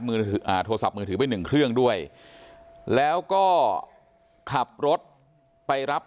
โทรศัพท์มือถือไปหนึ่งเครื่องด้วยแล้วก็ขับรถไปรับ